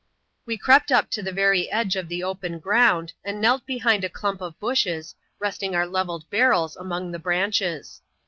We crept up to the very edge of the open ground, and knelt behind a clump of bushes, resting our levelled barrels among the branches.